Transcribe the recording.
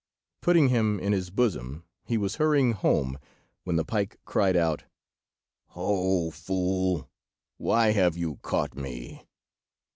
Putting him in his bosom, he was hurrying home, when the pike cried out— "Ho, fool! why have you caught me?"